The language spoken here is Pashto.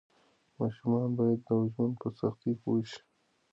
ماشومان باید د ژوند په سختۍ پوه شي.